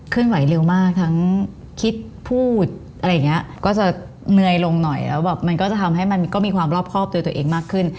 ไหวเร็วมากทั้งคิดพูดอะไรอย่างเงี้ยก็จะเหนื่อยลงหน่อยแล้วแบบมันก็จะทำให้มันก็มีความรอบครอบโดยตัวเองมากขึ้น